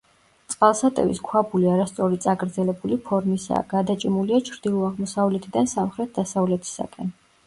წყალსატევის ქვაბული არასწორი წაგრძელებული ფორმისაა; გადაჭიმულია ჩრდილო-აღმოსავლეთიდან სამხრეთ-დასავლეთისაკენ.